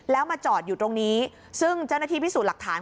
แล้วมาจอดอยู่ตรงนี้ซึ่งเจ้าหน้าที่พิสูจน์หลักฐาน